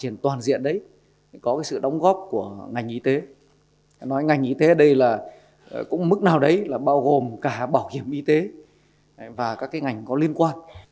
nói ngành y tế ở đây là cũng mức nào đấy là bao gồm cả bảo hiểm y tế và các ngành có liên quan